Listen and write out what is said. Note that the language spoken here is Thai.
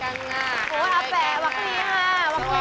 ในกันน่า